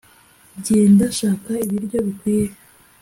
genda, shaka ibiryo bikwiye,